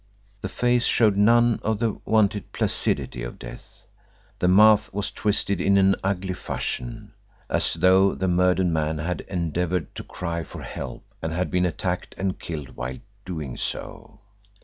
The face showed none of the wonted placidity of death. The mouth was twisted in an ugly fashion, as though the murdered man had endeavoured to cry for help and had been attacked and killed while doing so.